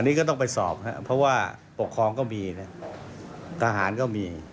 นี่ก็ต้องไปสอบครับเพราะว่าปกครองก็มีนะทหารก็มี